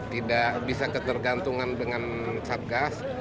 tidak bisa ketergantungan dengan syarikat gas